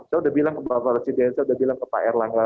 saya sudah bilang ke bapak presiden saya udah bilang ke pak erlangga